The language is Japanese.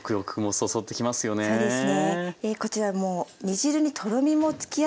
そうですね。